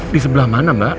di sebelah mana mbak